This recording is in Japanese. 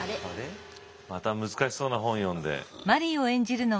また難しそうな本読んで。